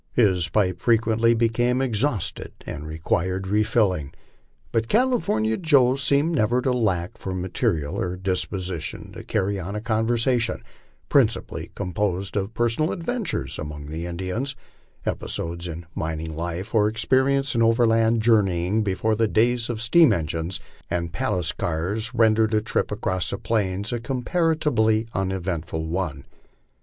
His pipe frequently became ex hausted and required refilling, but California Joe seemed never to lack for ma terial or disposition to carry on a conversation, principally composed of per sonal adventures among the Indians, episodes in mining life, or experience in overland journeying before the days of steam engines and palace cars ren dered a trip across the plains a comparatively uneventful one.